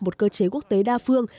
một cơ chế quốc tế đa phương